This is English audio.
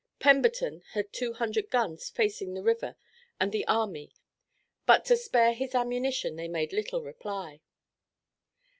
Pemberton had two hundred guns facing the river and the army, but to spare his ammunition they made little reply.